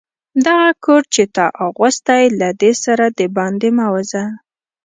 دغه کوټ چي تا اغوستی، له دې سره دباندي مه وزه.